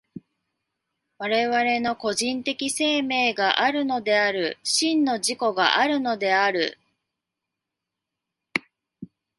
我々の個人的生命があるのである、真の自己があるのである。